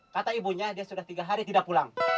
kata ibunya dia sudah tiga hari tidak pulang